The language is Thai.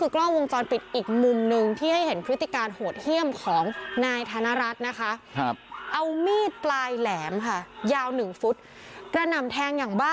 เซ็กท้องจะชอบชื่อหากลัวตรงแรกของห่วงมานะคะ